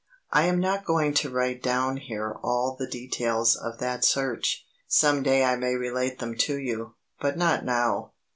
I am not going to write down here all the details of that search. Some day I may relate them to you, but not now.